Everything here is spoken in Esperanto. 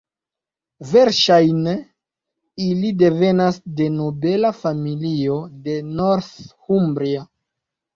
Verŝajne ili devenas de nobela familio de Northumbria.